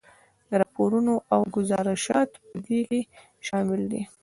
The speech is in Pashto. راپورونه او ګذارشات په دې کې شامل دي.